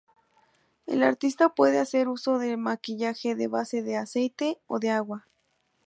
El artista puede hacer uso de maquillaje de base de aceite o de agua.